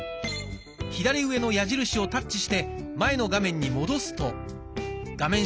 左上の矢印をタッチして前の画面に戻すと画面